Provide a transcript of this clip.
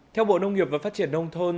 theo bộ nông nghiệp và phát triển nông nghiệp